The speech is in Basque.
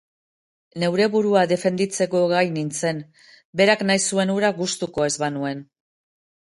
Neure burua defenditzeko gai nintzen, berak nahi zuen hura gustuko ez banuen.